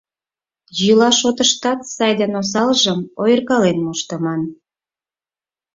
— Йӱла шотыштат сай ден осалжым ойыркален моштыман.